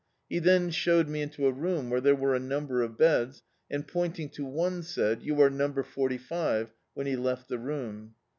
He then showed me into a room where there were a number of beds, and, pointing to one, said — "You arc number forty five," when he left the Tocm.